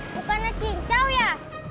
bukannya cincau ya